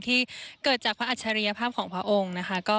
ที่เกิดจากพระอัจฉริยภาพของพระองค์นะคะ